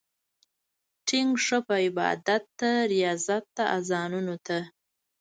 ټينګ شه عبادت ته، رياضت ته، اذانونو ته